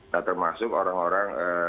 nah termasuk orang orang